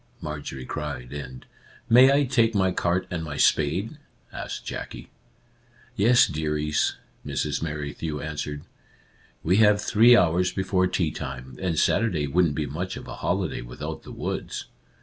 Marjorie cried, and " May I take my cart and my spade ?" asked Jackie. " Yes, dearies," Mrs. Merrithew answered. " We have three hours before tea time, and Saturday wouldn't be much of a holiday with out the woods.